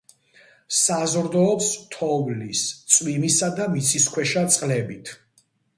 საზრდოობს თოვლის, წვიმისა და მიწისქვეშა წყლებით.